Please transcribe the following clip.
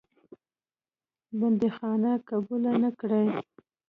بندیخانه قبوله نه کړې.